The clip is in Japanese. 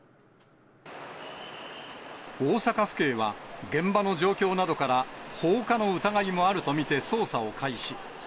大阪府警は、現場の状況などから、放火の疑いもあると見て捜査を開始。